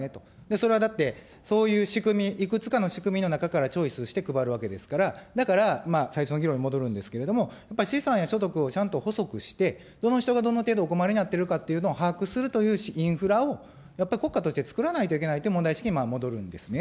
それはだって、そういう仕組み、いくつかの仕組みの中からチョイスして配るわけですから、だから、最初の議論に戻るんですけれども、やっぱり資産や所得をちゃんと補足して、どの人がどの程度お困りになっているのかというのを把握するというインフラを、やっぱり国家として作らないといけないという問題意識に戻るんですね。